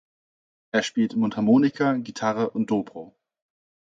Er spielt Mundharmonika, Gitarre und Dobro.